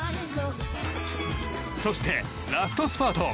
そして、ラストスパート。